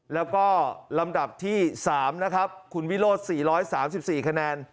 แล้วก็ลำดับที่๓นะครับคุณวิโรธ๔๓๔คะแนน